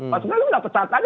pas ini lu dapet catanya